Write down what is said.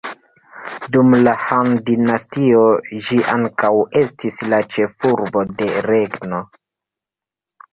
Dum la Han-dinastio ĝi ankaŭ estis la ĉefurbo de regno.